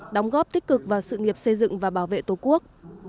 đóng góp tích cực vào sự nghiệp xây dựng và bảo vệ tổ quốc